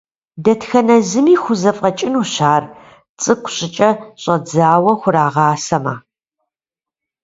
Дэтхэнэ зыми хузэфӏэкӏынущ ар, цӏыкӏу щӏыкӏэ щӏадзэу хурагъэсамэ.